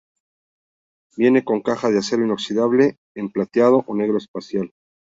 Viene con caja de acero inoxidable en plateado o negro espacial.